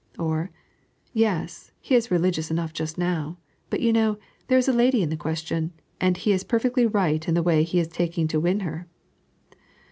Or, " Yes, he is religious enough just now, but, you know, there is a lady in the question, ajid he is per fectly right in the way he is taking to win her."